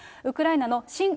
ウクライナの親